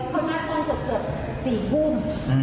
ตอนนั้นก็เกือบ๔กรุ่ม